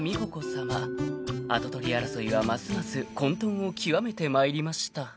［跡取り争いはますます混沌を極めてまいりました］